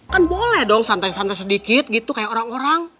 kan boleh dong santai santai sedikit gitu kayak orang orang